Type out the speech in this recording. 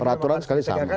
peraturan sekali lagi sama